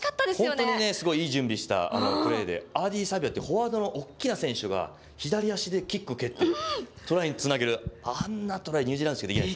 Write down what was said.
本当にね、すごいいい準備したプレーで、っていう、フォワードの大きな選手が左足でキック蹴ってトライにつなげる、あんなトライ、ニュージーランドしかできない。